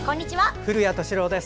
古谷敏郎です。